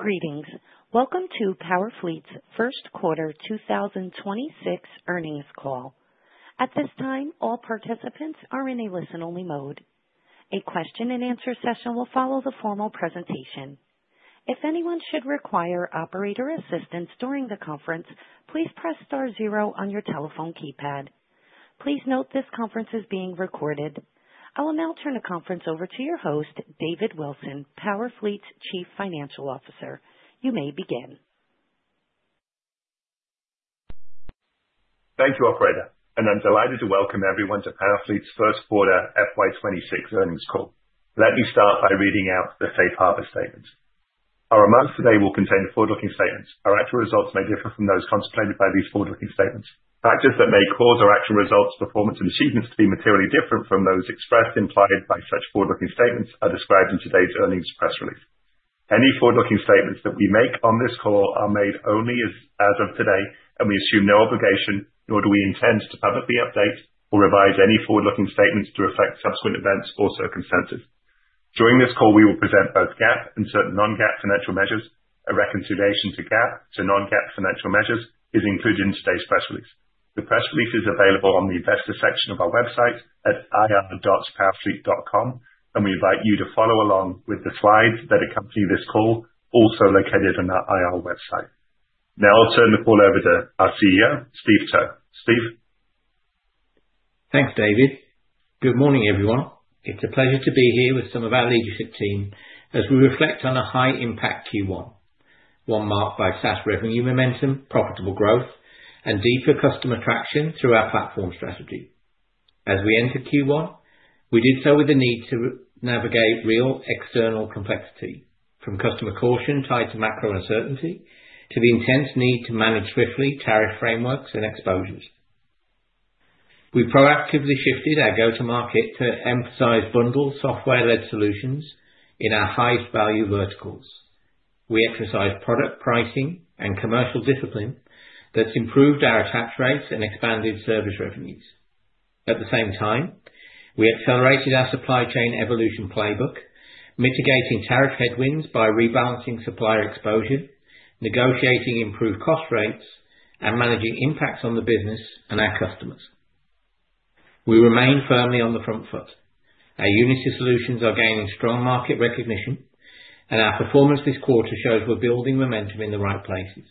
Greetings. Welcome to Powerfleet's first quarter 2026 earnings call. At this time, all participants are in a listen-only mode. A question-and-answer session will follow the formal presentation. If anyone should require operator assistance during the conference, please press star zero on your telephone keypad. Please note this conference is being recorded. I will now turn the conference over to your host, David Wilson, Powerfleet's Chief Financial Officer. You may begin. Thank you, Operator, and I'm delighted to welcome everyone to Powerfleet's first quarter FY 2026 earnings call. Let me start by reading out the safe harbor statements. Our remarks today will contain the forward-looking statements. Our actual results may differ from those contemplated by these forward-looking statements. Factors that may cause our actual results, performance, and achievements to be materially different from those expressed or implied by such forward-looking statements are described in today's earnings press release. Any forward-looking statements that we make on this call are made only as of today, and we assume no obligation, nor do we intend to publicly update or revise any forward-looking statements to reflect subsequent events or circumstances. During this call, we will present both GAAP and certain non-GAAP financial measures. A reconciliation to GAAP, to non-GAAP financial measures, is included in today's press release. The press release is available on the investor section of our website at ir.powerfleet.com, and we invite you to follow along with the slides that accompany this call, also located on our IR website. Now I'll turn the call over to our CEO, Steve Towe. Steve? Thanks, David. Good morning, everyone. It's a pleasure to be here with some of our leadership team as we reflect on a high-impact Q1, one marked by SaaS revenue momentum, profitable growth, and deeper customer traction through our platform strategy. As we entered Q1, we did so with a need to navigate real external complexity, from customer caution tied to macro uncertainty to the intense need to manage swiftly tariff frameworks and exposures. We proactively shifted our go-to-market to emphasize bundled software-led solutions in our highest-value verticals. We exercised product pricing and commercial discipline that's improved our attach rates and expanded service revenues. At the same time, we accelerated our supply chain evolution playbook, mitigating tariff headwinds by rebalancing supplier exposure, negotiating improved cost rates, and managing impacts on the business and our customers. We remain firmly on the front foot. Our Unity solutions are gaining strong market recognition, and our performance this quarter shows we're building momentum in the right places.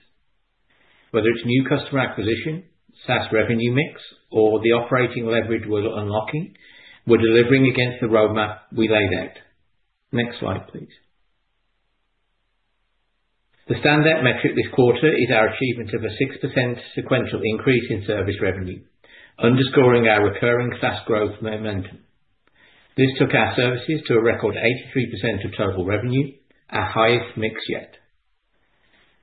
Whether it's new customer acquisition, SaaS revenue mix, or the operating leverage we're unlocking, we're delivering against the roadmap we laid out. Next slide, please. The standout metric this quarter is our achievement of a 6% sequential increase in service revenue, underscoring our recurring SaaS growth momentum. This took our services to a record 83% of total revenue, our highest mix yet.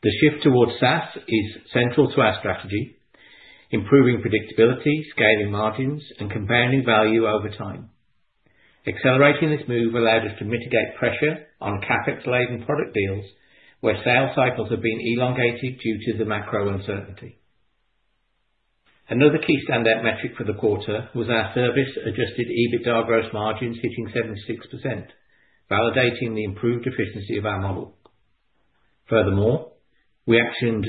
The shift towards SaaS is central to our strategy, improving predictability, scaling margins, and compounding value over time. Accelerating this move allowed us to mitigate pressure on CapEx-laden product deals where sale cycles have been elongated due to the macro uncertainty. Another key standout metric for the quarter was our service-adjusted EBITDA gross margins hitting 76%, validating the improved efficiency of our model. Furthermore, we actioned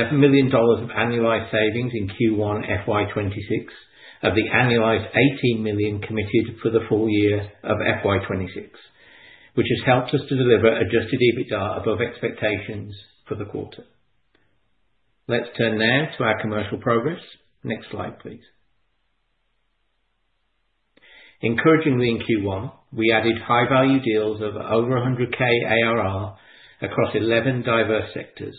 $11 million of annualized savings in Q1 FY 2026 of the annualized $18 million committed for the full year of FY 2026, which has helped us to deliver Adjusted EBITDA above expectations for the quarter. Let's turn now to our commercial progress. Next slide, please. Encouragingly in Q1, we added high-value deals of over 100K ARR across 11 diverse sectors,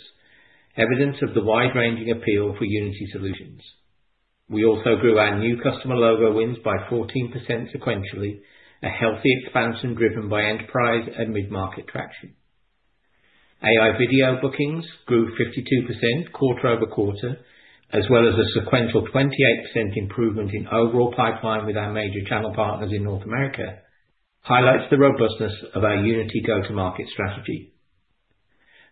evidence of the wide-ranging appeal for Unity solutions. We also grew our new customer logo wins by 14% sequentially, a healthy expansion driven by enterprise and mid-market traction. AI video bookings grew 52% quarter-over-quarter, as well as a sequential 28% improvement in overall pipeline with our major channel partners in North America, highlights the robustness of our Unity go-to-market strategy.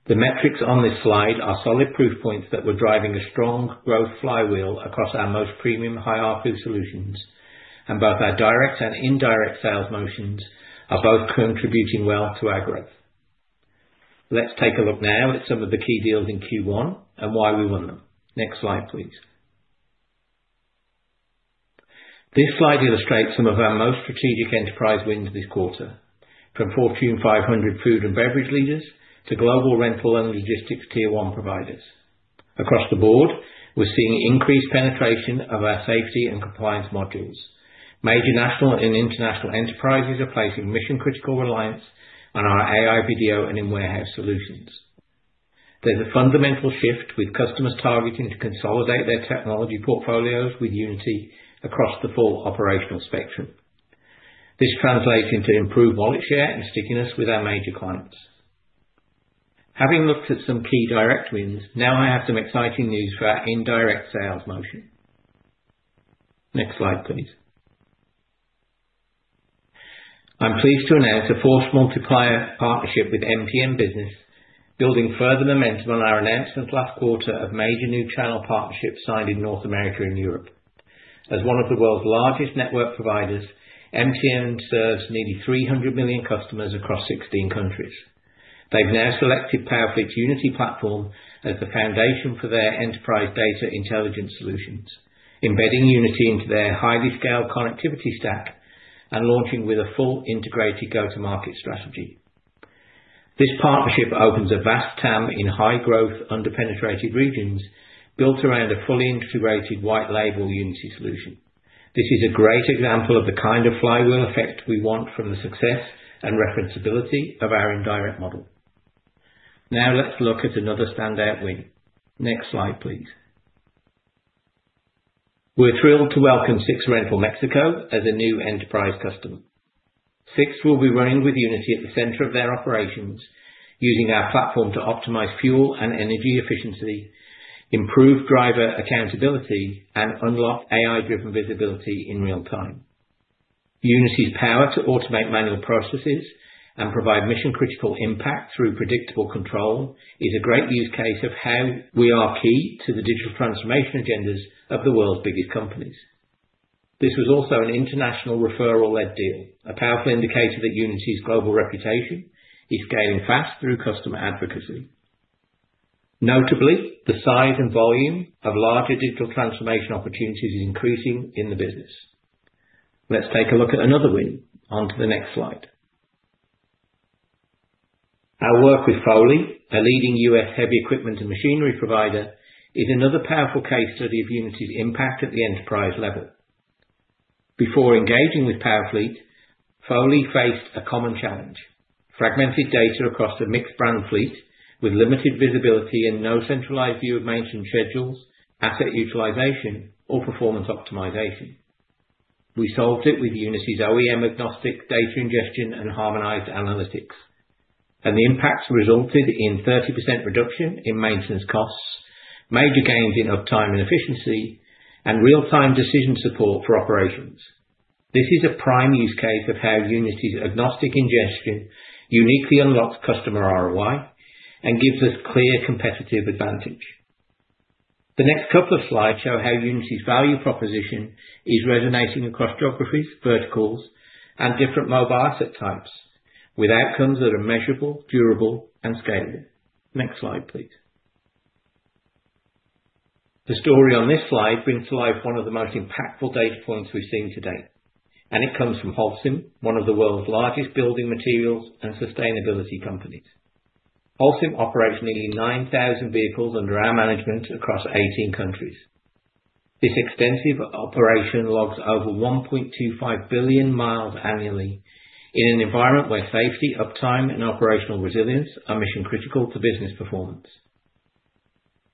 The metrics on this slide are solid proof points that we're driving a strong growth flywheel across our most premium high ARPU solutions, and both our direct and indirect sales motions are both contributing well to our growth. Let's take a look now at some of the key deals in Q1 and why we won them. Next slide, please. This slide illustrates some of our most strategic enterprise wins this quarter, from Fortune 500 food and beverage leaders to global rental and logistics tier one providers. Across the board, we're seeing increased penetration of our safety and compliance modules. Major national and international enterprises are placing mission-critical reliance on our AI video and in-warehouse solutions. There's a fundamental shift with customers targeting to consolidate their technology portfolios with Unity across the full operational spectrum. This translates into improved wallet share and stickiness with our major clients. Having looked at some key direct wins, now I have some exciting news for our indirect sales motion. Next slide, please. I'm pleased to announce a force multiplier partnership with MTN Business, building further momentum on our announcement last quarter of major new channel partnerships signed in North America and Europe. As one of the world's largest network providers, MTN serves nearly 300 million customers across 16 countries. They've now selected Powerfleet's Unity platform as the foundation for their enterprise data intelligence solutions, embedding Unity into their highly scaled connectivity stack and launching with a full integrated go-to-market strategy. This partnership opens a vast TAM in high-growth under-penetrated regions built around a fully integrated white-label Unity solution. This is a great example of the kind of flywheel effect we want from the success and referenceability of our indirect model. Now let's look at another standout win. Next slide, please. We're thrilled to welcome Sixt Mexico as a new enterprise customer. Sixt will be running with Unity at the center of their operations, using our platform to optimize fuel and energy efficiency, improve driver accountability, and unlock AI-driven visibility in real time. Unity's power to automate manual processes and provide mission-critical impact through predictable control is a great use case of how we are key to the digital transformation agendas of the world's biggest companies. This was also an international referral-led deal, a powerful indicator that Unity's global reputation is scaling fast through customer advocacy. Notably, the size and volume of larger digital transformation opportunities is increasing in the business. Let's take a look at another win. Onto the next slide. Our work with Foley, a leading U.S. heavy equipment and machinery provider, is another powerful case study of Unity's impact at the enterprise level. Before engaging with Powerfleet, Foley faced a common challenge, fragmented data across a mixed brand fleet with limited visibility and no centralized view of maintenance schedules, asset utilization, or performance optimization. We solved it with Unity's OEM-agnostic data ingestion and harmonized analytics, and the impacts resulted in 30% reduction in maintenance costs, major gains in uptime and efficiency, and real-time decision support for operations. This is a prime use case of how Unity's agnostic ingestion uniquely unlocks customer ROI and gives us clear competitive advantage. The next couple of slides show how Unity's value proposition is resonating across geographies, verticals, and different mobile asset types with outcomes that are measurable, durable, and scalable. Next slide, please. The story on this slide brings to life one of the most impactful data points we've seen to date, and it comes from Holcim, one of the world's largest building materials and sustainability companies. Holcim operates nearly 9,000 vehicles under our management across 18 countries. This extensive operation logs over 1.25 billion miles annually in an environment where safety, uptime, and operational resilience are mission-critical to business performance.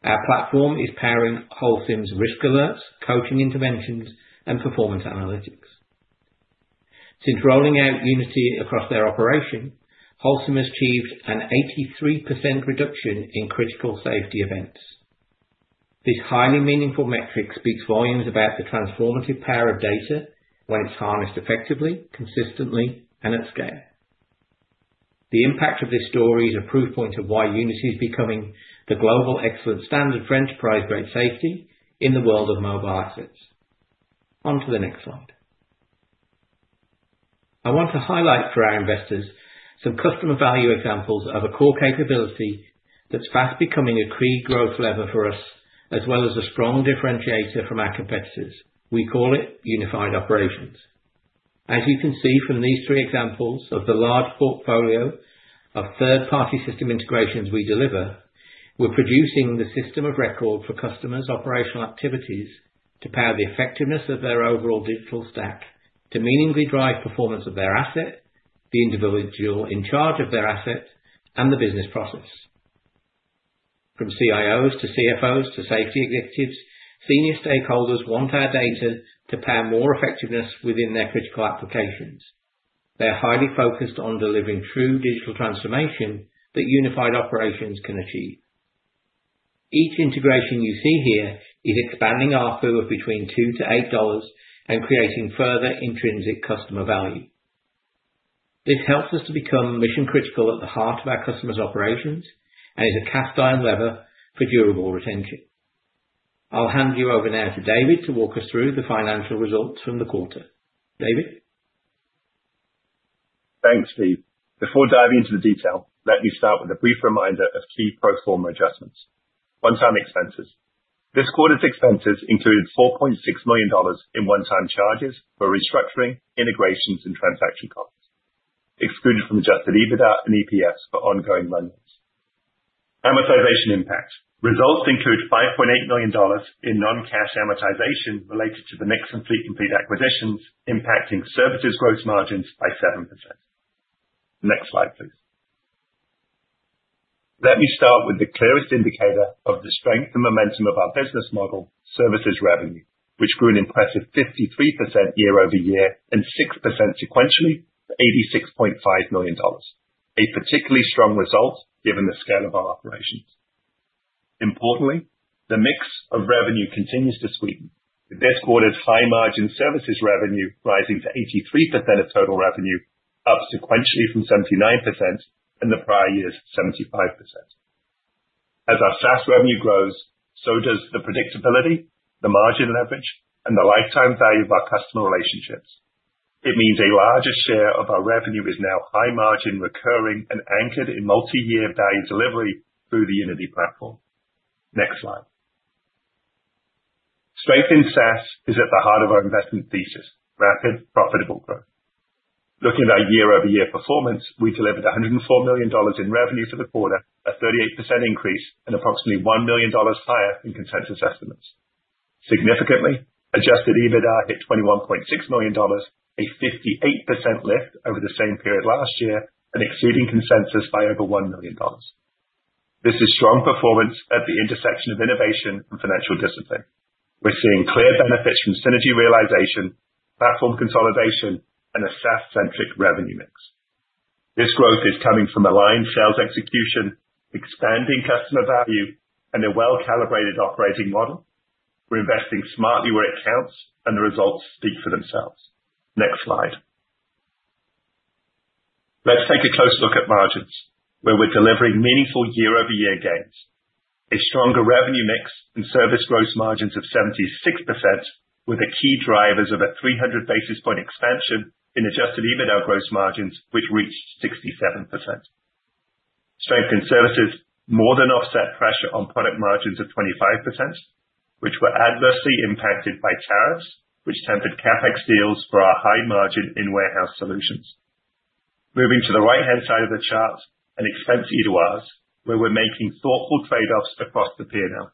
Our platform is powering Holcim's risk alerts, coaching interventions, and performance analytics. Since rolling out Unity across their operation, Holcim has achieved an 83% reduction in critical safety events. This highly meaningful metric speaks volumes about the transformative power of data when it's harnessed effectively, consistently, and at scale. The impact of this story is a proof point of why Unity is becoming the global excellence standard for enterprise-grade safety in the world of mobile assets. Onto the next slide. I want to highlight for our investors some customer value examples of a core capability that's fast becoming a key growth lever for us, as well as a strong differentiator from our competitors. We call it unified operations. As you can see from these three examples of the large portfolio of third-party system integrations we deliver, we're producing the system of record for customers' operational activities to power the effectiveness of their overall digital stack, to meaningfully drive performance of their asset, the individual in charge of their asset, and the business process. From CIOs to CFOs to safety executives, senior stakeholders want our data to power more effectiveness within their critical applications. They're highly focused on delivering true digital transformation that unified operations can achieve. Each integration you see here is expanding ARPU of between $2-$8 and creating further intrinsic customer value. This helps us to become mission-critical at the heart of our customers' operations and is a cast-iron lever for durable retention. I'll hand you over now to David to walk us through the financial results from the quarter. David? Thanks, Steve. Before diving into the detail, let me start with a brief reminder of key pro forma adjustments. One-time expenses. This quarter's expenses included $4.6 million in one-time charges for restructuring, integrations, and transaction costs, excluded from adjusted EBITDA and EPS for ongoing run-rate. Amortization impact. Results include $5.8 million in non-cash amortization related to the MiX Fleet Complete acquisitions, impacting services gross margins by 7%. Next slide, please. Let me start with the clearest indicator of the strength and momentum of our business model, services revenue, which grew an impressive 53% year-over-year and 6% sequentially to $86.5 million, a particularly strong result given the scale of our operations. Importantly, the mix of revenue continues to sweeten, with this quarter's high-margin services revenue rising to 83% of total revenue, up sequentially from 79% in the prior year's 75%. As our SaaS revenue grows, so does the predictability, the margin leverage, and the lifetime value of our customer relationships. It means a larger share of our revenue is now high-margin, recurring, and anchored in multi-year value delivery through the Unity platform. Next slide. Strength in SaaS is at the heart of our investment thesis, rapid, profitable growth. Looking at our year-over-year performance, we delivered $104 million in revenue for the quarter, a 38% increase, and approximately $1 million higher than consensus estimates. Significantly, Adjusted EBITDA hit $21.6 million, a 58% lift over the same period last year, and exceeding consensus by over $1 million. This is strong performance at the intersection of innovation and financial discipline. We're seeing clear benefits from synergy realization, platform consolidation, and a SaaS-centric revenue mix. This growth is coming from aligned sales execution, expanding customer value, and a well-calibrated operating model. We're investing smartly where it counts, and the results speak for themselves. Next slide. Let's take a close look at margins, where we're delivering meaningful year-over-year gains, a stronger revenue mix, and service gross margins of 76%, with the key drivers of a 300 basis points expansion in Adjusted EBITDA gross margins, which reached 67%. Strength in services more than offset pressure on product margins of 25%, which were adversely impacted by tariffs, which tempered CapEx deals for our high-margin in-warehouse solutions. Moving to the right-hand side of the chart, an expense overview, where we're making thoughtful trade-offs across the P&L.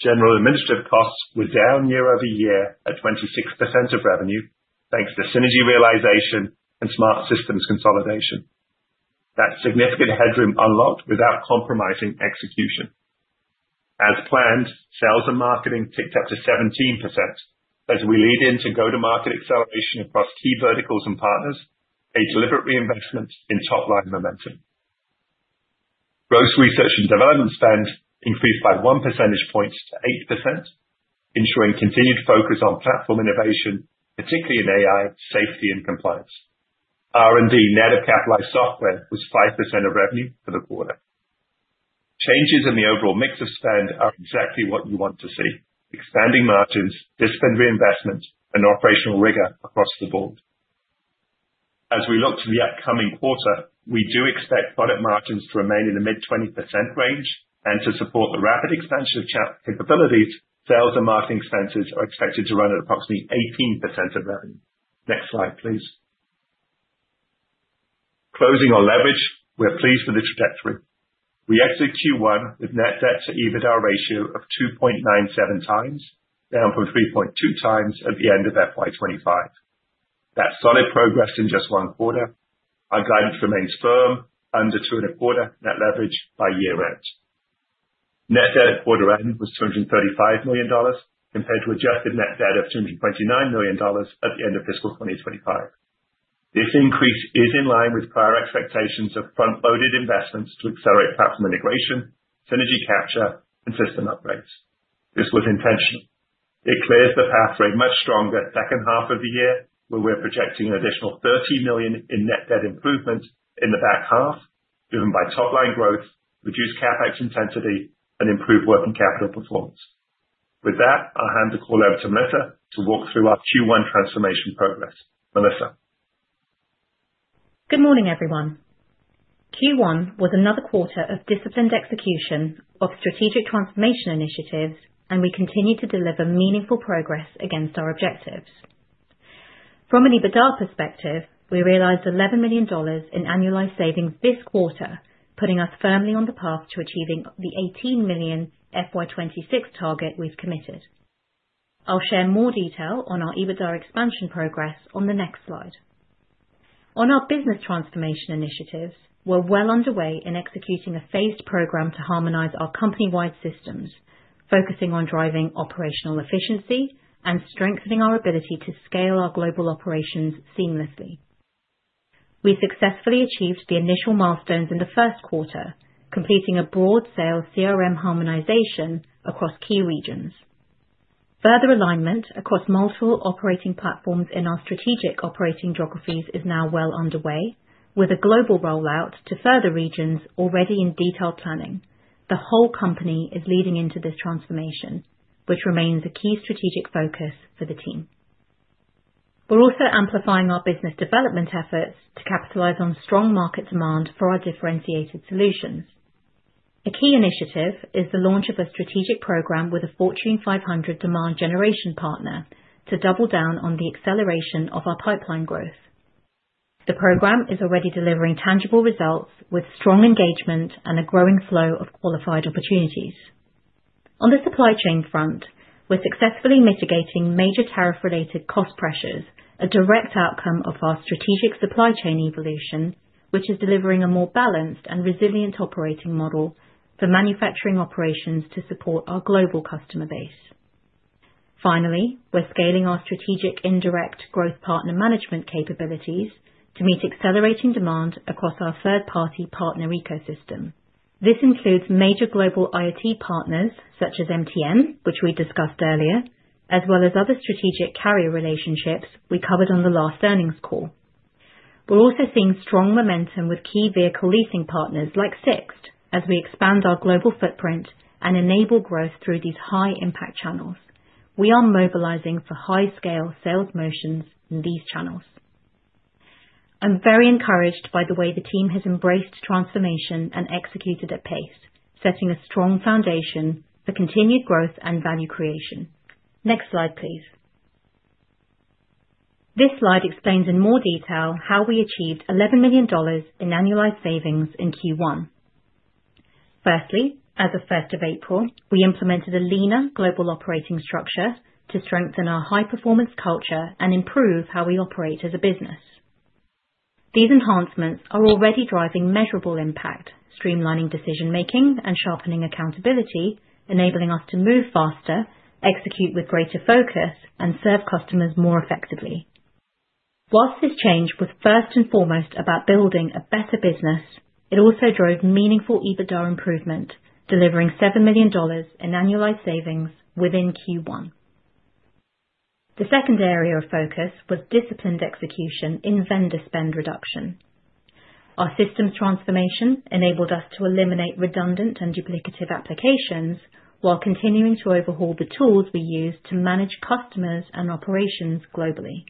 General administrative costs were down year-over-year at 26% of revenue thanks to synergy realization and smart systems consolidation. That significant headroom unlocked without compromising execution. As planned, sales and marketing ticked up to 17% as we lead into go-to-market acceleration across key verticals and partners, a deliberate reinvestment in top-line momentum. Gross research and development spend increased by one percentage point to 8%, ensuring continued focus on platform innovation, particularly in AI, safety, and compliance. R&D, net capitalized software, was 5% of revenue for the quarter. Changes in the overall mix of spend are exactly what you want to see, expanding margins, disciplined reinvestment, and operational rigor across the board. As we look to the upcoming quarter, we do expect product margins to remain in the mid-20% range, and to support the rapid expansion of capabilities, sales and marketing expenses are expected to run at approximately 18% of revenue. Next slide, please. Closing on leverage, we're pleased with the trajectory. We exit Q1 with net debt to EBITDA ratio of 2.97x, down from 3.2x at the end of FY 2025. That's solid progress in just one quarter. Our guidance remains firm: under 2.25 net leverage by year-end. Net debt at quarter-end was $235 million compared to adjusted net debt of $229 million at the end of fiscal 2025. This increase is in line with prior expectations of front-loaded investments to accelerate platform integration, synergy capture, and system upgrades. This was intentional. It clears the path for a much stronger second half of the year, where we're projecting an additional $30 million in net debt improvement in the back half, driven by top-line growth, reduced CapEx intensity, and improved working capital performance. With that, I'll hand the call over to Melissa to walk through our Q1 transformation progress. Melissa. Good morning, everyone. Q1 was another quarter of disciplined execution of strategic transformation initiatives, and we continue to deliver meaningful progress against our objectives. From an EBITDA perspective, we realized $11 million in annualized savings this quarter, putting us firmly on the path to achieving the $18 million FY 2026 target we've committed. I'll share more detail on our EBITDA expansion progress on the next slide. On our business transformation initiatives, we're well underway in executing a phased program to harmonize our company-wide systems, focusing on driving operational efficiency and strengthening our ability to scale our global operations seamlessly. We successfully achieved the initial milestones in the first quarter, completing a broad-scale CRM harmonization across key regions. Further alignment across multiple operating platforms in our strategic operating geographies is now well underway, with a global rollout to further regions already in detailed planning. The whole company is leading into this transformation, which remains a key strategic focus for the team. We're also amplifying our business development efforts to capitalize on strong market demand for our differentiated solutions. A key initiative is the launch of a strategic program with a Fortune 500 demand generation partner to double down on the acceleration of our pipeline growth. The program is already delivering tangible results with strong engagement and a growing flow of qualified opportunities. On the supply chain front, we're successfully mitigating major tariff-related cost pressures, a direct outcome of our strategic supply chain evolution, which is delivering a more balanced and resilient operating model for manufacturing operations to support our global customer base. Finally, we're scaling our strategic indirect growth partner management capabilities to meet accelerating demand across our third-party partner ecosystem. This includes major global IoT partners such as MTN, which we discussed earlier, as well as other strategic carrier relationships we covered on the last earnings call. We're also seeing strong momentum with key vehicle leasing partners like Sixt as we expand our global footprint and enable growth through these high-impact channels. We are mobilizing for high-scale sales motions in these channels. I'm very encouraged by the way the team has embraced transformation and executed at pace, setting a strong foundation for continued growth and value creation. Next slide, please. This slide explains in more detail how we achieved $11 million in annualized savings in Q1. Firstly, as of 1st of April, we implemented a leaner global operating structure to strengthen our high-performance culture and improve how we operate as a business. These enhancements are already driving measurable impact, streamlining decision-making and sharpening accountability, enabling us to move faster, execute with greater focus, and serve customers more effectively. While this change was first and foremost about building a better business, it also drove meaningful EBITDA improvement, delivering $7 million in annualized savings within Q1. The second area of focus was disciplined execution in vendor spend reduction. Our systems transformation enabled us to eliminate redundant and duplicative applications while continuing to overhaul the tools we use to manage customers and operations globally.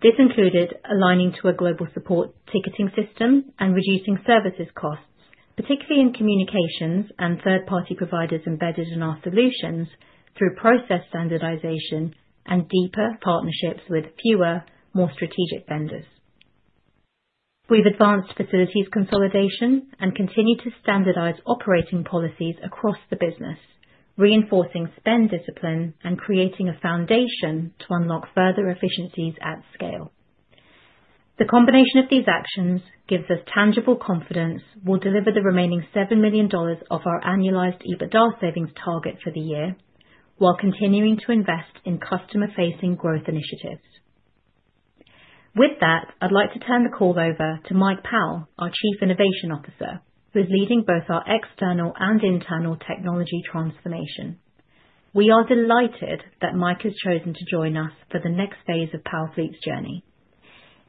This included aligning to a global support ticketing system and reducing services costs, particularly in communications and third-party providers embedded in our solutions through process standardization and deeper partnerships with fewer, more strategic vendors. We've advanced facilities consolidation and continue to standardize operating policies across the business, reinforcing spend discipline and creating a foundation to unlock further efficiencies at scale. The combination of these actions gives us tangible confidence we'll deliver the remaining $7 million of our annualized EBITDA savings target for the year while continuing to invest in customer-facing growth initiatives. With that, I'd like to turn the call over to Mike Powell, our Chief Innovation Officer, who is leading both our external and internal technology transformation. We are delighted that Mike has chosen to join us for the next phase of Powerfleet's journey.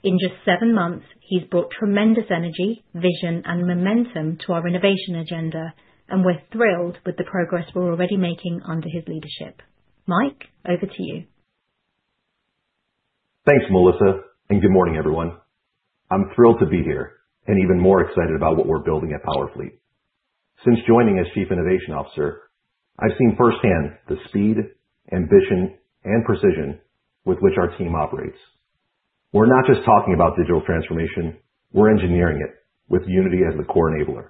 In just seven months, he's brought tremendous energy, vision, and momentum to our innovation agenda, and we're thrilled with the progress we're already making under his leadership. Mike, over to you. Thanks, Melissa, and good morning, everyone. I'm thrilled to be here and even more excited about what we're building at Powerfleet. Since joining as Chief Innovation Officer, I've seen firsthand the speed, ambition, and precision with which our team operates. We're not just talking about digital transformation, we're engineering it with Unity as the core enabler.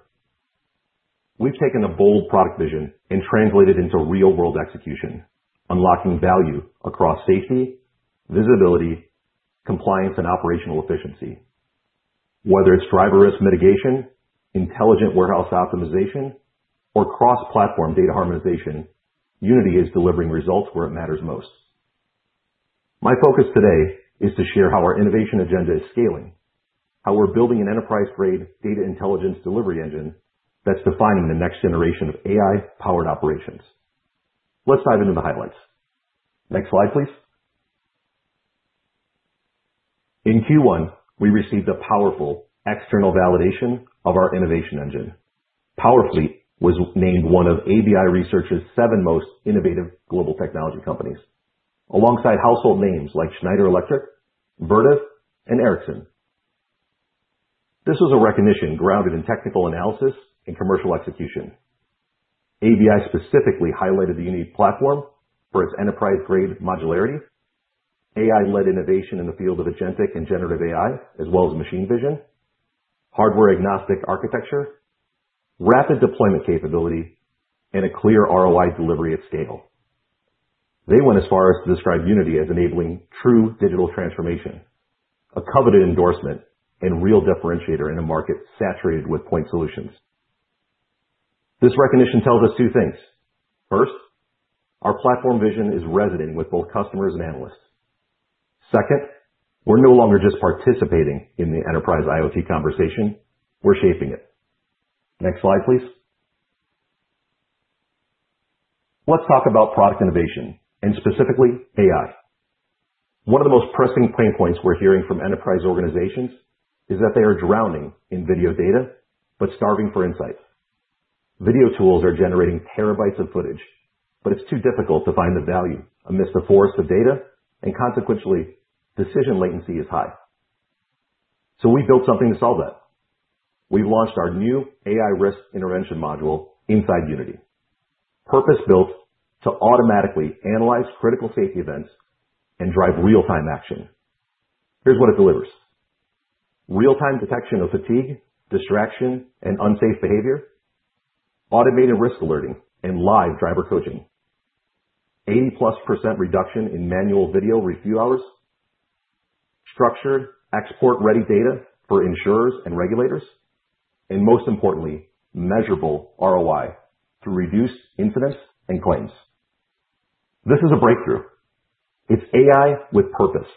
We've taken a bold product vision and translated it into real-world execution, unlocking value across safety, visibility, compliance, and operational efficiency. Whether it's driver risk mitigation, intelligent warehouse optimization, or cross-platform data harmonization, Unity is delivering results where it matters most. My focus today is to share how our innovation agenda is scaling, how we're building an enterprise-grade data intelligence delivery engine that's defining the next generation of AI-powered operations. Let's dive into the highlights. Next slide, please. In Q1, we received a powerful external validation of our innovation engine. Powerfleet was named one of ABI Research's seven most innovative global technology companies, alongside household names like Schneider Electric, Vertiv, and Ericsson. This was a recognition grounded in technical analysis and commercial execution. ABI specifically highlighted the unique platform for its enterprise-grade modularity, AI-led innovation in the field of agentic and generative AI, as well as machine vision, hardware-agnostic architecture, rapid deployment capability, and a clear ROI delivery at scale. They went as far as to describe Unity as enabling true digital transformation, a coveted endorsement, and real differentiator in a market saturated with point solutions. This recognition tells us two things. First, our platform vision is resonating with both customers and analysts. Second, we're no longer just participating in the enterprise IoT conversation; we're shaping it. Next slide, please. Let's talk about product innovation, and specifically AI. One of the most pressing pain points we're hearing from enterprise organizations is that they are drowning in video data but starving for insight. Video tools are generating terabytes of footage, but it's too difficult to find the value amidst a forest of data, and consequently, decision latency is high. So we built something to solve that. We've launched our new AI risk intervention module inside Unity, purpose-built to automatically analyze critical safety events and drive real-time action. Here's what it delivers, real-time detection of fatigue, distraction, and unsafe behavior. Automated risk alerting and live driver coaching. 80%+ reduction in manual video review hours. Structured export-ready data for insurers and regulators, and most importantly, measurable ROI through reduced incidents and claims. This is a breakthrough. It's AI with purpose,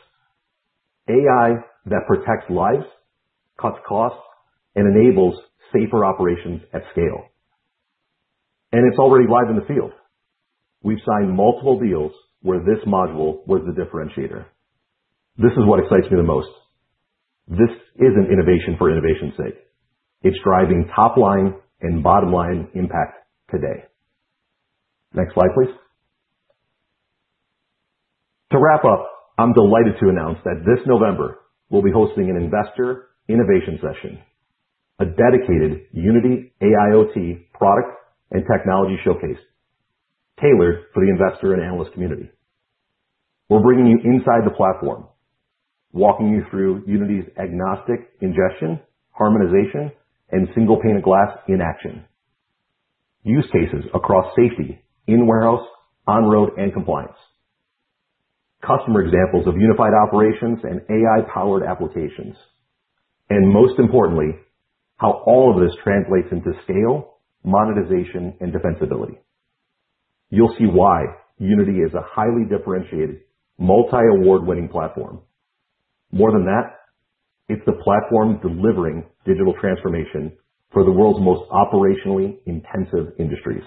AI that protects lives, cuts costs, and enables safer operations at scale. And it's already live in the field. We've signed multiple deals where this module was the differentiator. This is what excites me the most. This isn't innovation for innovation's sake. It's driving top-line and bottom-line impact today. Next slide, please. To wrap up, I'm delighted to announce that this November we'll be hosting an investor innovation session, a dedicated Unity AIoT product and technology showcase, tailored for the investor and analyst community. We're bringing you inside the platform, walking you through Unity's agnostic ingestion, harmonization, and single pane of glass in action. Use cases across safety in warehouse, on-road, and compliance. Customer examples of unified operations and AI-powered applications. Most importantly, how all of this translates into scale, monetization, and defensibility. You'll see why Unity is a highly differentiated, multi-award-winning platform. More than that, it's the platform delivering digital transformation for the world's most operationally intensive industries.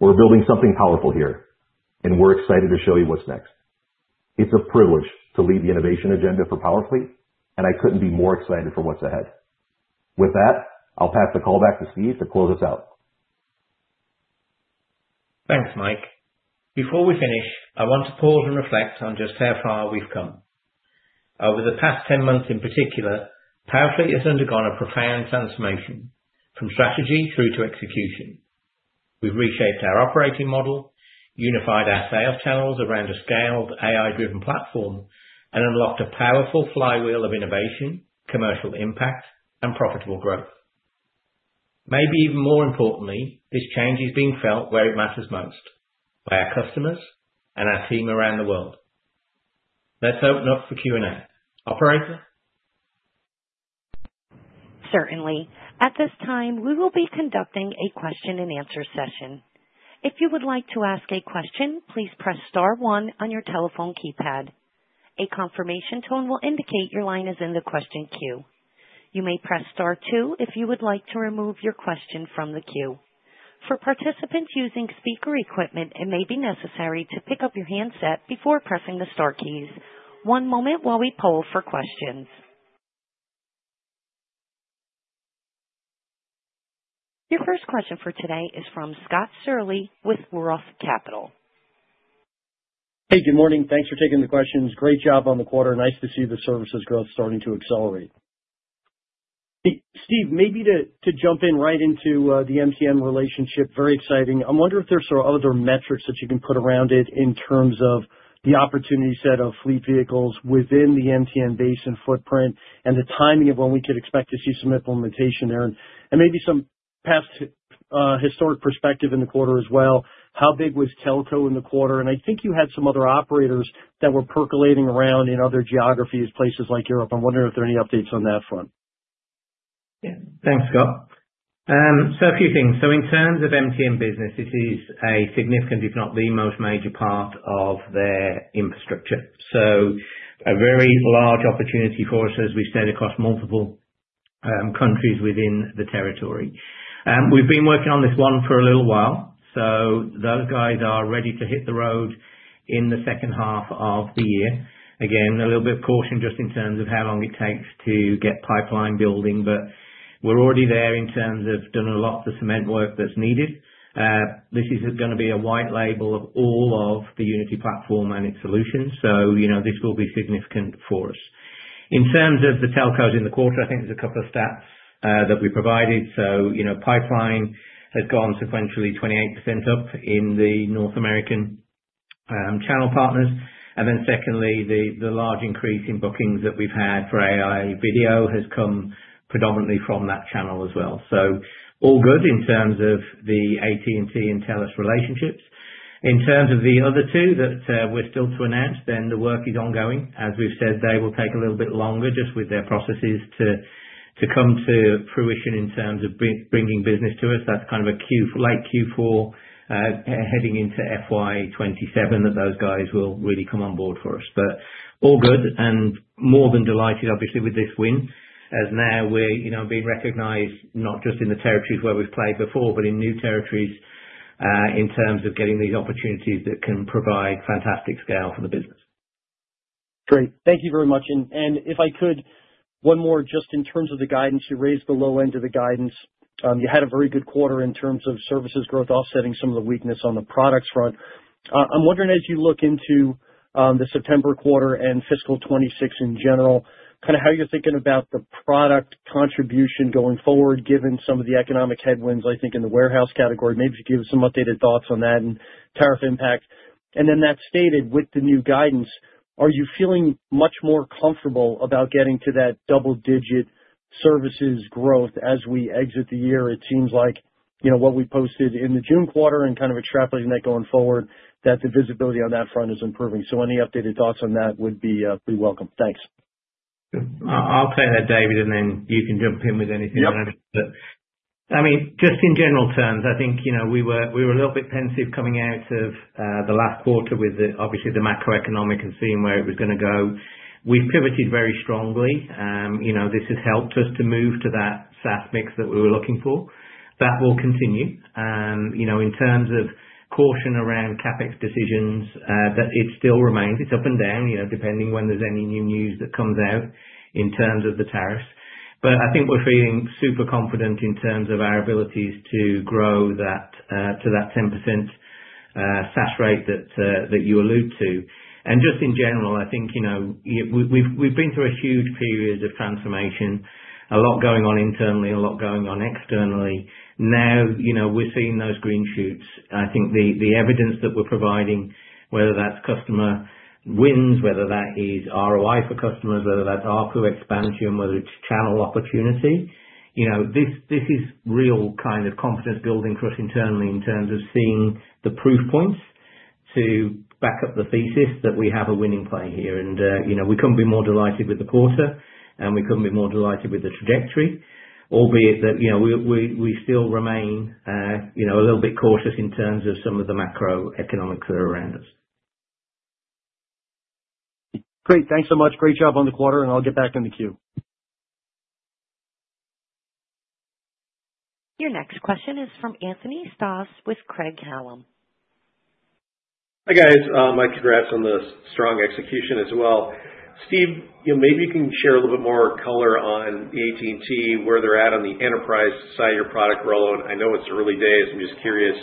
We're building something powerful here, and we're excited to show you what's next. It's a privilege to lead the innovation agenda for Powerfleet, and I couldn't be more excited for what's ahead. With that, I'll pass the call back to Steve to close us out. Thanks, Mike. Before we finish, I want to pause and reflect on just how far we've come. Over the past 10 months in particular, Powerfleet has undergone a profound transformation from strategy through to execution. We've reshaped our operating model, unified our sales channels around a scaled, AI-driven platform, and unlocked a powerful flywheel of innovation, commercial impact, and profitable growth. Maybe even more importantly, this change is being felt where it matters most: by our customers and our team around the world. Let's open up for Q&A. Operator? Certainly. At this time, we will be conducting a question-and-answer session. If you would like to ask a question, please press star one on your telephone keypad. A confirmation tone will indicate your line is in the question queue. You may press star two if you would like to remove your question from the queue. For participants using speaker equipment, it may be necessary to pick up your handset before pressing the star keys. One moment while we poll for questions. Your first question for today is from Scott Searle with Roth Capital. Hey, good morning. Thanks for taking the questions. Great job on the quarter. Nice to see the services growth starting to accelerate. Steve, maybe to jump in right into the MTN relationship, very exciting. I wonder if there's sort of other metrics that you can put around it in terms of the opportunity set of fleet vehicles within the MTN base and footprint and the timing of when we could expect to see some implementation there. And maybe some past historic perspective in the quarter as well. How big was telco in the quarter? And I think you had some other operators that were percolating around in other geographies, places like Europe. I'm wondering if there are any updates on that front. Yeah. Thanks, Scott. So a few things. So in terms of MTN Business, this is a significant, if not the most major part of their infrastructure. So a very large opportunity for us as we stand across multiple countries within the territory. We've been working on this one for a little while, so those guys are ready to hit the road in the second half of the year. Again, a little bit of caution just in terms of how long it takes to get pipeline building, but we're already there in terms of doing a lot of the cement work that's needed. This is going to be a white label of all of the Unity platform and its solutions, so this will be significant for us. In terms of the telcos in the quarter, I think there's a couple of stats that we provided. So pipeline has gone sequentially 28% up in the North American channel partners. And then secondly, the large increase in bookings that we've had for AI video has come predominantly from that channel as well. So all good in terms of the AT&T and Telus relationships. In terms of the other two that we're still to announce, then the work is ongoing. As we've said, they will take a little bit longer just with their processes to come to fruition in terms of bringing business to us. That's kind of a late Q4 heading into FY 2027 that those guys will really come on board for us. But all good, and more than delighted, obviously, with this win as now we're being recognized not just in the territories where we've played before but in new territories in terms of getting these opportunities that can provide fantastic scale for the business. Great. Thank you very much. And if I could, one more just in terms of the guidance, you raised the low end of the guidance. You had a very good quarter in terms of services growth offsetting some of the weakness on the products front. I'm wondering, as you look into the September quarter and fiscal 2026 in general, kind of how you're thinking about the product contribution going forward given some of the economic headwinds, I think, in the warehouse category. Maybe if you could give us some updated thoughts on that and tariff impact. And with that stated, with the new guidance, are you feeling much more comfortable about getting to that double-digit services growth as we exit the year? It seems like what we posted in the June quarter and kind of extrapolating that going forward, that the visibility on that front is improving. Any updated thoughts on that would be welcome. Thanks. I'll play that, David, and then you can jump in with anything on it. But I mean, just in general terms, I think we were a little bit pensive coming out of the last quarter with, obviously, the macroeconomic and seeing where it was going to go. We've pivoted very strongly. This has helped us to move to that SaaS mix that we were looking for. That will continue. In terms of caution around CapEx decisions, it still remains. It's up and down depending when there's any new news that comes out in terms of the tariffs. But I think we're feeling super confident in terms of our abilities to grow to that 10% SaaS rate that you alluded to. And just in general, I think we've been through a huge period of transformation, a lot going on internally, a lot going on externally. Now we're seeing those green shoots. I think the evidence that we're providing, whether that's customer wins, whether that is ROI for customers, whether that's ARPU expansion, whether it's channel opportunity, this is real kind of confidence building for us internally in terms of seeing the proof points to back up the thesis that we have a winning play here. We couldn't be more delighted with the quarter, and we couldn't be more delighted with the trajectory, albeit that we still remain a little bit cautious in terms of some of the macroeconomics that are around us. Great. Thanks so much. Great job on the quarter, and I'll get back in the queue. Your next question is from Anthony Stoss with Craig-Hallum. Hi guys. My congrats on the strong execution as well. Steve, maybe you can share a little bit more color on the AT&T, where they're at on the enterprise side of your product rollout. I know it's the early days. I'm just curious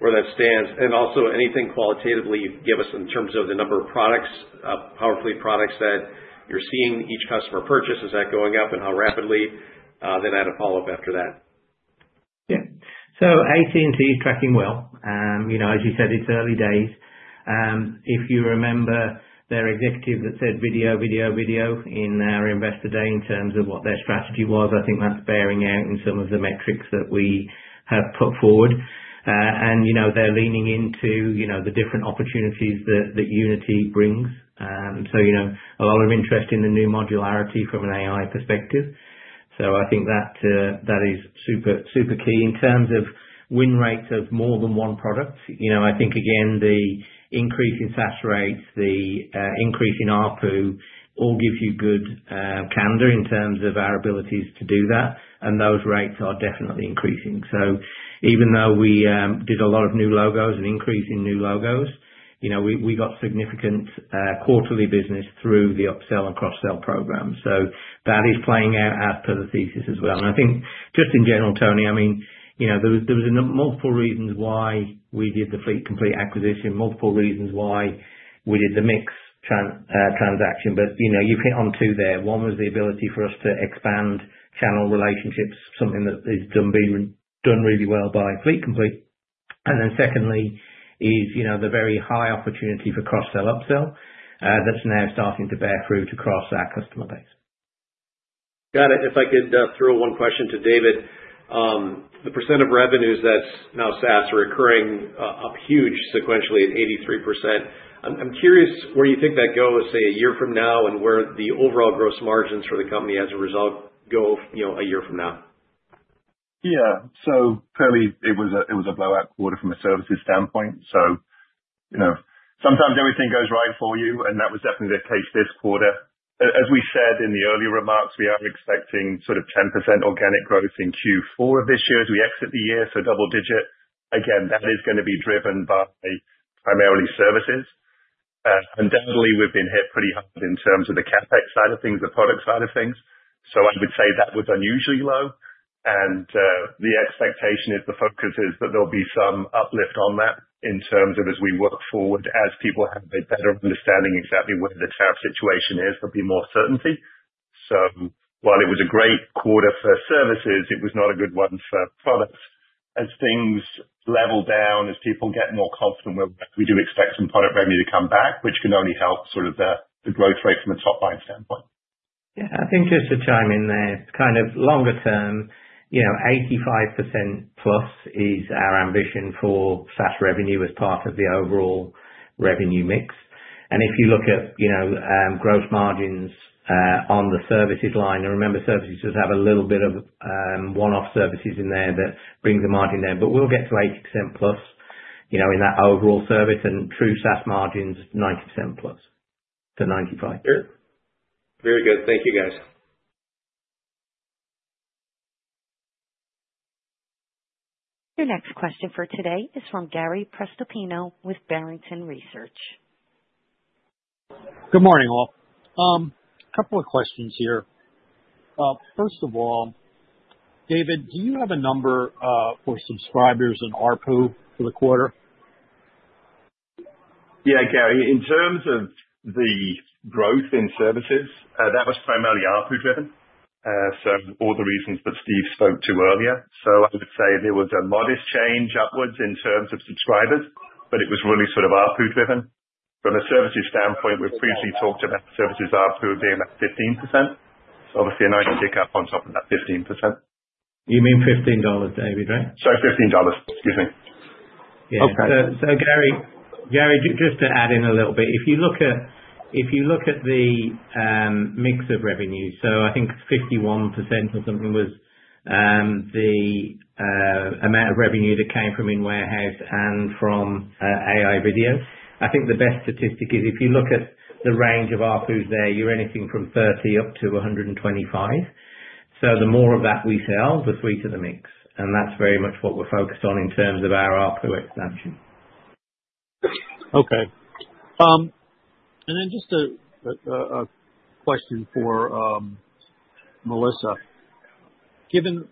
where that stands. And also, anything qualitatively you can give us in terms of the number of Powerfleet products that you're seeing each customer purchase? Is that going up and how rapidly? Then add a follow-up after that. Yeah. So AT&T is tracking well. As you said, it's early days. If you remember their executive that said, "Video, video, video," in our investor day in terms of what their strategy was, I think that's bearing out in some of the metrics that we have put forward. And they're leaning into the different opportunities that Unity brings. So a lot of interest in the new modularity from an AI perspective. So I think that is super, super key. In terms of win rates of more than one product, I think, again, the increase in SaaS rates, the increase in ARPU all give you good candor in terms of our abilities to do that. And those rates are definitely increasing. So even though we did a lot of new logos and increase in new logos, we got significant quarterly business through the upsell and cross-sell program. So that is playing out as per the thesis as well. And I think just in general, Tony, I mean, there were multiple reasons why we did the Fleet Complete acquisition, multiple reasons why we did the MiX transaction. But you've hit on two there. One was the ability for us to expand channel relationships, something that has been done really well by Fleet Complete. And then secondly is the very high opportunity for cross-sell upsell that's now starting to bear fruit across our customer base. Got it. If I could throw one question to David. The percent of revenues that's now SaaS are occurring up huge sequentially at 83%. I'm curious where you think that goes, say, a year from now and where the overall gross margins for the company as a result go a year from now? Yeah. So clearly, it was a blowout quarter from a services standpoint. So sometimes everything goes right for you, and that was definitely the case this quarter. As we said in the earlier remarks, we are expecting sort of 10% organic growth in Q4 of this year as we exit the year, so double-digit. Again, that is going to be driven by primarily services. Undoubtedly, we've been hit pretty hard in terms of the CapEx side of things, the product side of things. So I would say that was unusually low. And the expectation is the focus is that there'll be some uplift on that in terms of as we work forward, as people have a better understanding exactly where the tariff situation is, there'll be more certainty. So while it was a great quarter for services, it was not a good one for products. As things level down, as people get more confident where we're at, we do expect some product revenue to come back, which can only help sort of the growth rate from a top-line standpoint. Yeah. I think just to chime in there, kind of longer term, 85%+ is our ambition for SaaS revenue as part of the overall revenue mix. And if you look at gross margins on the services line, and remember, services does have a little bit of one-off services in there that bring the margin down, but we'll get to 80%+ in that overall service, and true SaaS margins, 90%+-95%. Sure. Very good. Thank you, guys. Your next question for today is from Gary Prestopino with Barrington Research. Good morning, all. A couple of questions here. First of all, David, do you have a number for subscribers and ARPU for the quarter? Yeah, Gary. In terms of the growth in services, that was primarily ARPU-driven, so all the reasons that Steve spoke to earlier. So I would say there was a modest change upwards in terms of subscribers, but it was really sort of ARPU-driven. From a services standpoint, we've previously talked about services ARPU being about 15%. So obviously, a nice kick-up on top of that 15%. You mean $15, David, right? Sorry, $15. Excuse me. Yeah. So Gary, just to add in a little bit, if you look at the mix of revenues, so I think 51% or something was the amount of revenue that came from in-warehouse and from AI video, I think the best statistic is if you look at the range of ARPUs there, you're anything from 30-125. So the more of that we sell, the sweeter the mix. And that's very much what we're focused on in terms of our ARPU expansion. Okay. And then just a question for Melissa. Given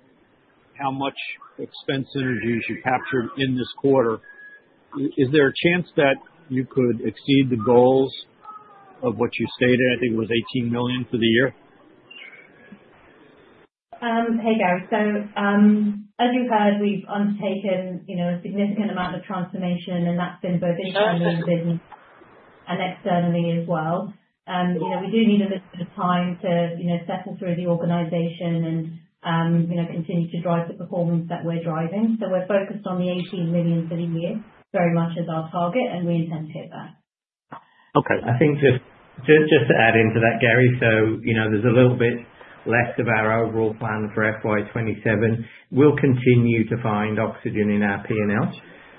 how much synergy you should capture in this quarter, is there a chance that you could exceed the goals of what you stated? I think it was $18 million for the year. Hey Gary. So as you've heard, we've undertaken a significant amount of transformation, and that's been both internally in business and externally as well. We do need a little bit of time to settle through the organization and continue to drive the performance that we're driving. So we're focused on the $18 million for the year very much as our target, and we intend to hit that. Okay. I think just to add into that, Gary, so there's a little bit less of our overall plan for FY 2027. We'll continue to find oxygen in our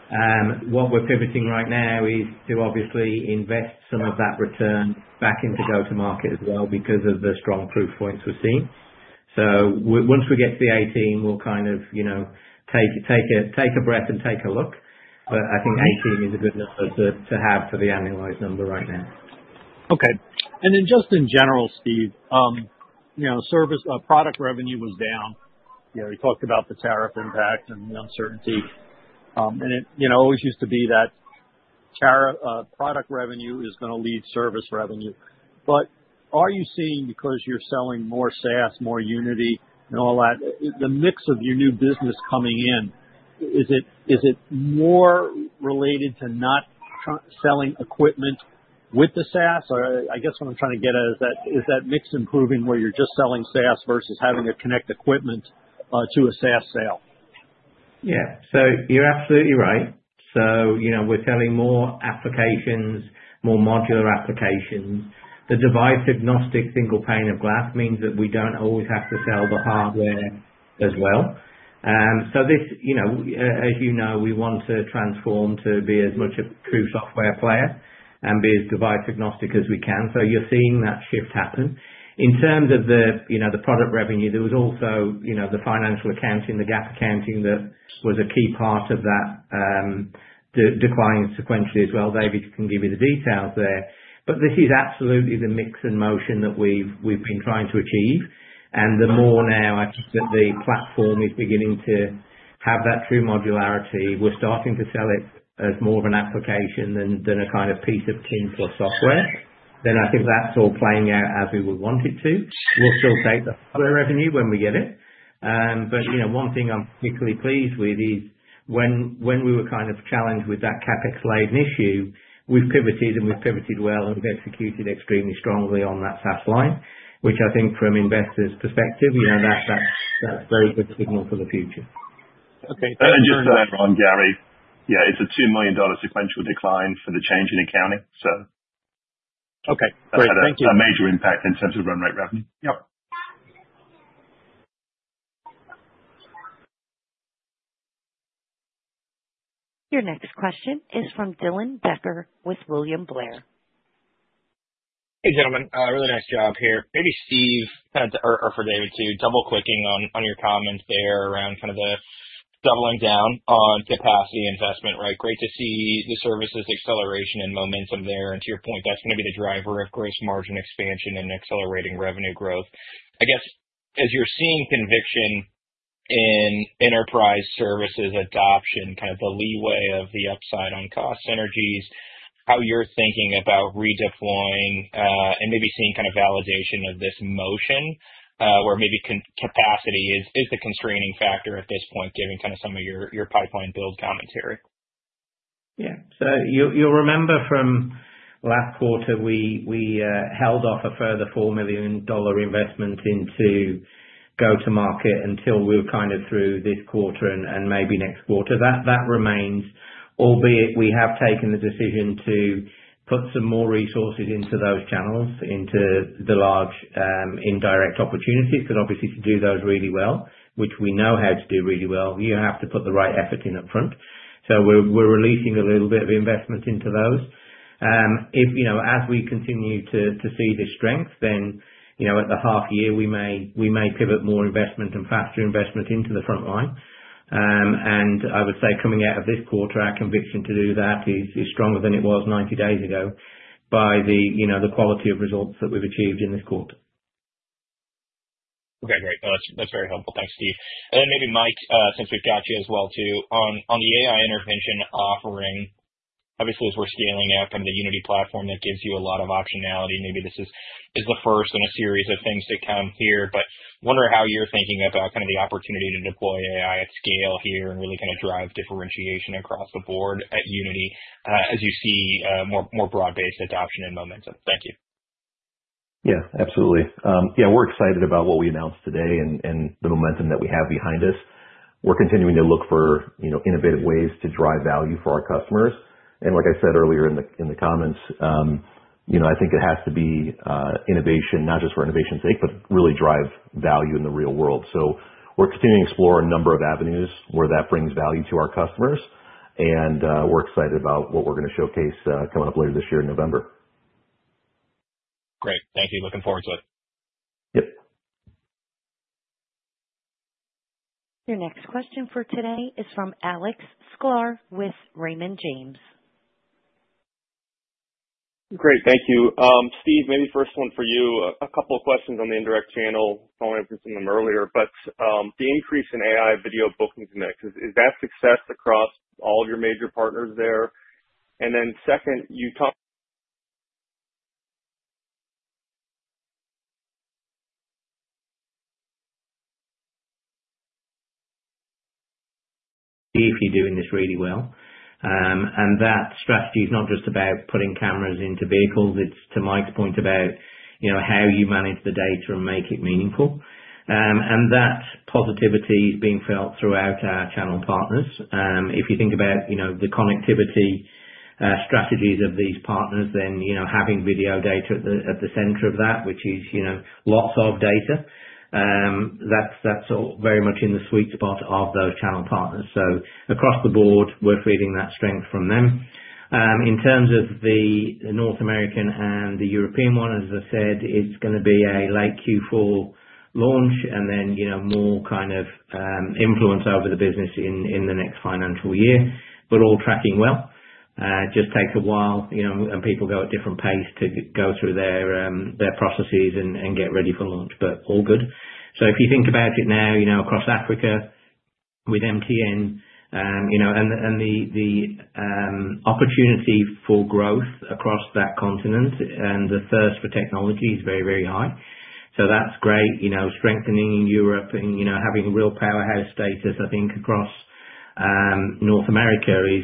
P&L. What we're pivoting right now is to obviously invest some of that return back into go-to-market as well because of the strong proof points we're seeing. So once we get to the 18, we'll kind of take a breath and take a look. But I think 18 is a good number to have for the annualized number right now. Okay. And then just in general, Steve, product revenue was down. You talked about the tariff impact and the uncertainty. And it always used to be that product revenue is going to lead service revenue. But are you seeing, because you're selling more SaaS, more Unity, and all that, the mix of your new business coming in, is it more related to not selling equipment with the SaaS? I guess what I'm trying to get at is that mix improving where you're just selling SaaS versus having to connect equipment to a SaaS sale? Yeah. So you're absolutely right. So we're selling more applications, more modular applications. The device-agnostic single pane of glass means that we don't always have to sell the hardware as well. So as you know, we want to transform to be as much a true software player and be as device-agnostic as we can. So you're seeing that shift happen. In terms of the product revenue, there was also the financial accounting, the GAAP accounting that was a key part of that decline sequentially as well. David can give you the details there. But this is absolutely the mix in motion that we've been trying to achieve. And the more now I think that the platform is beginning to have that true modularity, we're starting to sell it as more of an application than a kind of piece of tin plus software. Then I think that's all playing out as we would want it to. We'll still take the hardware revenue when we get it. But one thing I'm particularly pleased with is when we were kind of challenged with that CapEx laden issue, we've pivoted, and we've pivoted well, and we've executed extremely strongly on that SaaS line, which I think from investors' perspective, that's very good signal for the future. Okay. Thank you. Just to add on, Gary, yeah, it's a $2 million sequential decline for the change in accounting, so. Okay. Great. Thank you. A major impact in terms of run rate revenue. Yep. Your next question is from Dylan Becker with William Blair. Hey gentlemen. Really nice job here. Maybe Steve or for David too, double-clicking on your comments there around kind of the doubling down on capacity investment, right? Great to see the services acceleration and momentum there. To your point, that's going to be the driver of gross margin expansion and accelerating revenue growth. I guess as you're seeing conviction in enterprise services adoption, kind of the leeway of the upside on cost synergies, how you're thinking about redeploying and maybe seeing kind of validation of this motion where maybe capacity is the constraining factor at this point, given kind of some of your pipeline build commentary. Yeah. So you'll remember from last quarter, we held off a further $4 million investment into go-to-market until we were kind of through this quarter and maybe next quarter. That remains, albeit we have taken the decision to put some more resources into those channels, into the large indirect opportunities because obviously, to do those really well, which we know how to do really well, you have to put the right effort in upfront. So we're releasing a little bit of investment into those. As we continue to see this strength, then at the half-year, we may pivot more investment and faster investment into the front line. And I would say coming out of this quarter, our conviction to do that is stronger than it was 90 days ago by the quality of results that we've achieved in this quarter. Okay. Great. No, that's very helpful. Thanks, Steve. And then maybe Mike, since we've got you as well too, on the AI intervention offering, obviously, as we're scaling up, kind of the Unity platform that gives you a lot of optionality, maybe this is the first in a series of things to come here. But wondering how you're thinking about kind of the opportunity to deploy AI at scale here and really kind of drive differentiation across the board at Unity as you see more broad-based adoption and momentum? Thank you. Yeah. Absolutely. Yeah. We're excited about what we announced today and the momentum that we have behind us. We're continuing to look for innovative ways to drive value for our customers. And like I said earlier in the comments, I think it has to be innovation, not just for innovation's sake, but really drive value in the real world. So we're continuing to explore a number of avenues where that brings value to our customers. And we're excited about what we're going to showcase coming up later this year in November. Great. Thank you. Looking forward to it. Yep. Your next question for today is from Alex Sklar with Raymond James. Great. Thank you. Steve, maybe first one for you. A couple of questions on the indirect channel. I've already answered some of them earlier. But the increase in AI video booking connects, is that success across all of your major partners there? And then second, you talked. He's doing this really well. That strategy is not just about putting cameras into vehicles. It's, to Mike's point, about how you manage the data and make it meaningful. That positivity is being felt throughout our channel partners. If you think about the connectivity strategies of these partners, then having video data at the center of that, which is lots of data, that's very much in the sweet spot of those channel partners. Across the board, we're feeling that strength from them. In terms of the North American and the European one, as I said, it's going to be a late Q4 launch and then more kind of influence over the business in the next financial year, but all tracking well. It just takes a while, and people go at different pace to go through their processes and get ready for launch, but all good. So if you think about it now, across Africa with MTN and the opportunity for growth across that continent and the thirst for technology is very, very high. So that's great. Strengthening in Europe and having real powerhouse status, I think, across North America is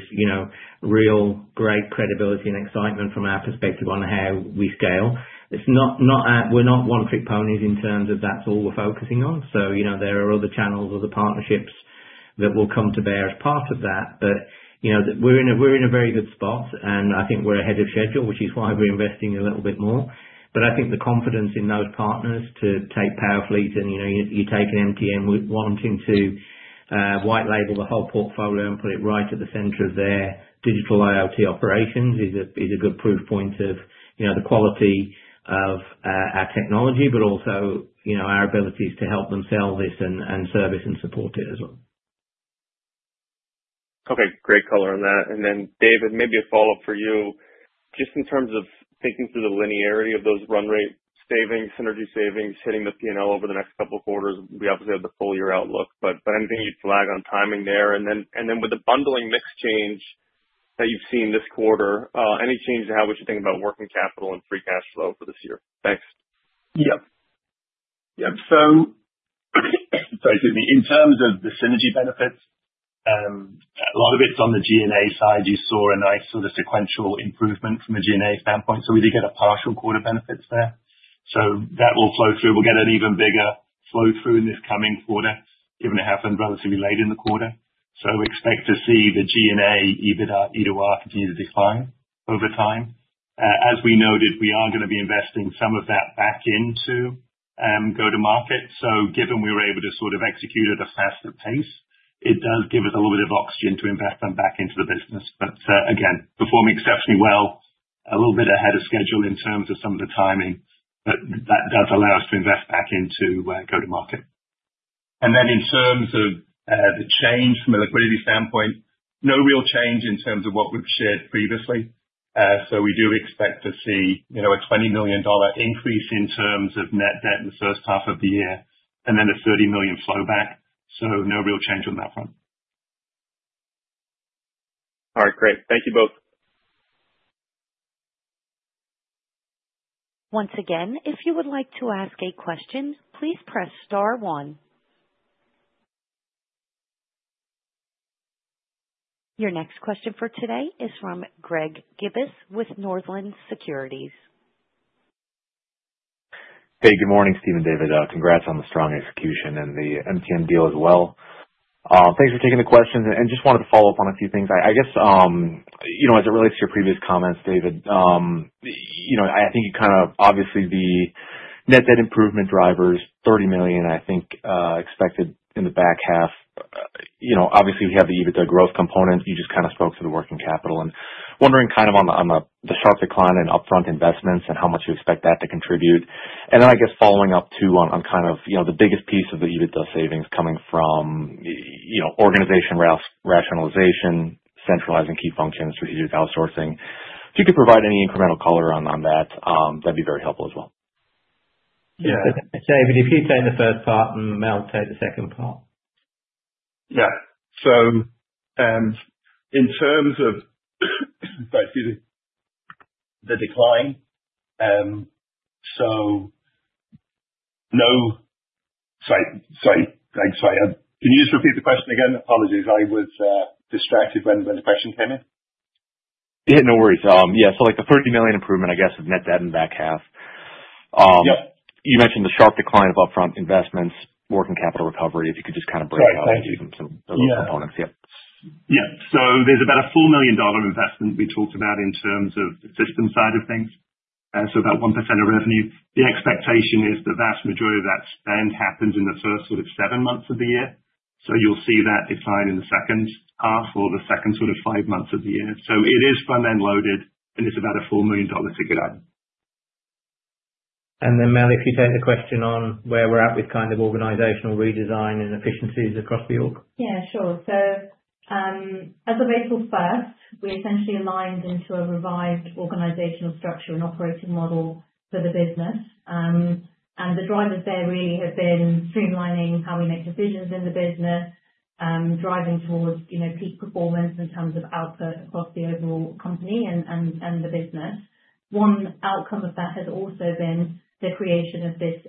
real great credibility and excitement from our perspective on how we scale. We're not one-trick ponies in terms of that's all we're focusing on. So there are other channels, other partnerships that will come to bear as part of that. But we're in a very good spot, and I think we're ahead of schedule, which is why we're investing a little bit more. But I think the confidence in those partners to take Powerfleet and you take an MTN wanting to white-label the whole portfolio and put it right at the center of their digital IoT operations is a good proof point of the quality of our technology, but also our abilities to help them sell this and service and support it as well. Okay. Great color on that. And then David, maybe a follow-up for you. Just in terms of thinking through the linearity of those run rate savings, synergy savings, hitting the P&L over the next couple of quarters, we obviously have the full-year outlook. But anything you'd flag on timing there? And then with the bundling mix change that you've seen this quarter, any change in how we should think about working capital and free cash flow for this year? Thanks. Yep. So excuse me. In terms of the synergy benefits, a lot of it's on the G&A side. You saw a nice sort of sequential improvement from a G&A standpoint. So we did get a partial quarter benefits there. So that will flow through. We'll get an even bigger flow-through in this coming quarter, given it happened relatively late in the quarter. So expect to see the G&A, EBITDA, E-to-R continue to decline over time. As we noted, we are going to be investing some of that back into go-to-market. So given we were able to sort of execute at a faster pace, it does give us a little bit of oxygen to invest them back into the business. But again, performing exceptionally well, a little bit ahead of schedule in terms of some of the timing, but that does allow us to invest back into go-to-market. And then in terms of the change from a liquidity standpoint, no real change in terms of what we've shared previously. So we do expect to see a $20 million increase in terms of net debt in the first half of the year and then a $30 million flowback. So no real change on that front. All right. Great. Thank you both. Once again, if you would like to ask a question, please press star one. Your next question for today is from Greg Gibas with Northland Securities. Hey. Good morning, Steve and David. Congrats on the strong execution and the MTN deal as well. Thanks for taking the questions. Just wanted to follow up on a few things. I guess as it relates to your previous comments, David, I think you kind of obviously, the net debt improvement drivers, $30 million, I think, expected in the back half. Obviously, we have the EBITDA growth component. You just kind of spoke to the working capital. Wondering kind of on the sharp decline in upfront investments and how much you expect that to contribute. Then I guess following up too on kind of the biggest piece of the EBITDA savings coming from organization rationalization, centralizing key functions, strategic outsourcing. If you could provide any incremental color on that, that'd be very helpful as well. Yeah. David, if you take the first part and Mel take the second part. Yeah. So, in terms of sorry, excuse me, the decline. Can you just repeat the question again? Apologies. I was distracted when the question came in. Yeah. No worries. Yeah. So the $30 million improvement, I guess, of net debt in the back half. You mentioned the sharp decline of upfront investments, working capital recovery. If you could just kind of break out? Sorry. Thank you. Some of those components. Yep. Yeah. So there's about a $4 million investment we talked about in terms of the system side of things, so about 1% of revenue. The expectation is the vast majority of that spend happens in the first sort of seven months of the year. So you'll see that decline in the second half or the second sort of five months of the year. So it is front-end loaded, and it's about a $4 million to get out. And then Mel, if you take the question on where we're at with kind of organizational redesign and efficiencies across the org. Yeah. Sure. So as of April 1st, we essentially aligned into a revised organizational structure and operating model for the business. And the drivers there really have been streamlining how we make decisions in the business, driving towards peak performance in terms of output across the overall company and the business. One outcome of that has also been the creation of this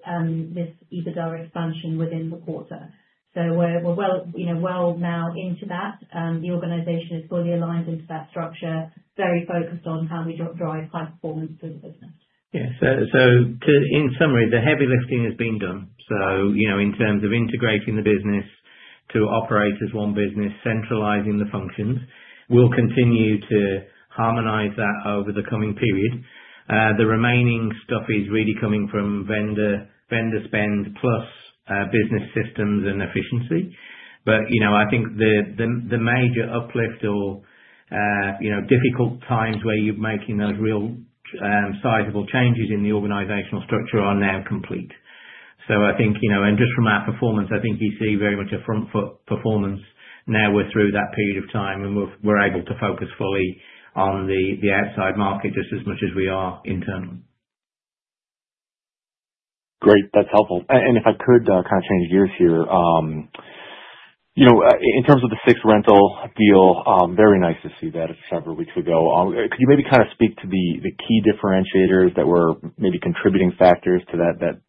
EBITDA expansion within the quarter. So we're well now into that. The organization is fully aligned into that structure, very focused on how we drive high performance for the business. Yeah. So in summary, the heavy lifting has been done. So in terms of integrating the business to operate as one business, centralizing the functions, we'll continue to harmonize that over the coming period. The remaining stuff is really coming from vendor spend plus business systems and efficiency. But I think the major uplift or difficult times where you're making those real sizable changes in the organizational structure are now complete. And just from our performance, I think you see very much a front-foot performance now we're through that period of time, and we're able to focus fully on the outside market just as much as we are internally. Great. That's helpful. If I could kind of change gears here, in terms of the Sixt rental deal, very nice to see that several weeks ago. Could you maybe kind of speak to the key differentiators that were maybe contributing factors to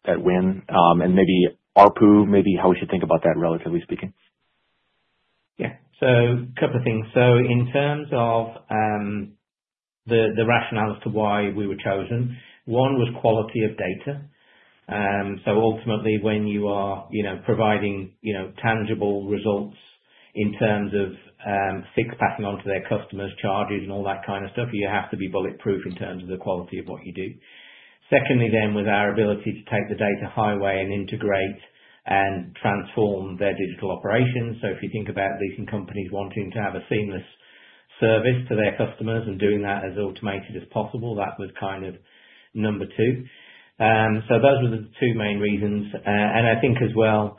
that win and maybe ARPU, maybe how we should think about that relatively speaking? Yeah. So a couple of things. So in terms of the rationale as to why we were chosen, one was quality of data. So ultimately, when you are providing tangible results in terms of Sixt passing onto their customers, charges, and all that kind of stuff, you have to be bulletproof in terms of the quality of what you do. Secondly then, was our ability to take the data highway and integrate and transform their digital operations. So if you think about leasing companies wanting to have a seamless service to their customers and doing that as automated as possible, that was kind of number two. So those were the two main reasons. And I think as well,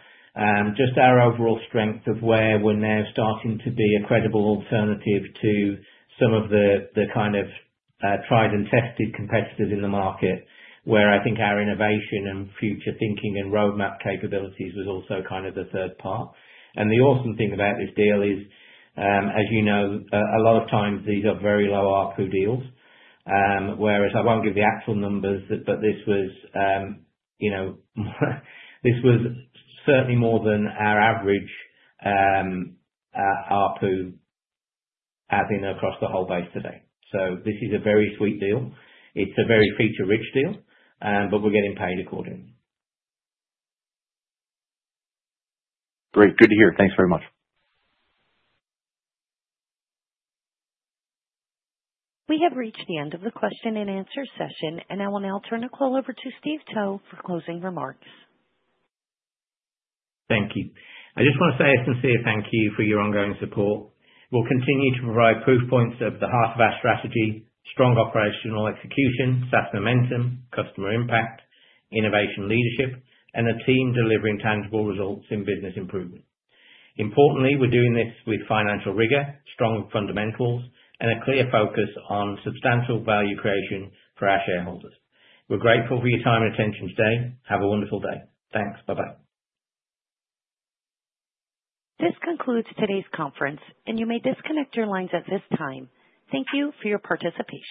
just our overall strength of where we're now starting to be a credible alternative to some of the kind of tried-and-tested competitors in the market, where I think our innovation and future thinking and roadmap capabilities was also kind of the third part. And the awesome thing about this deal is, as you know, a lot of times, these are very low ARPU deals, whereas I won't give the actual numbers, but this was certainly more than our average ARPU as in across the whole base today. So this is a very sweet deal. It's a very feature-rich deal, but we're getting paid accordingly. Great. Good to hear. Thanks very much. We have reached the end of the question-and-answer session, and I will now turn the call over to Steve Towe for closing remarks. Thank you. I just want to say a sincere thank you for your ongoing support. We'll continue to provide proof points of the heart of our strategy: strong operational execution, SaaS momentum, customer impact, innovation leadership, and a team delivering tangible results in business improvement. Importantly, we're doing this with financial rigor, strong fundamentals, and a clear focus on substantial value creation for our shareholders. We're grateful for your time and attention today. Have a wonderful day. Thanks. Bye-bye. This concludes today's conference, and you may disconnect your lines at this time. Thank you for your participation.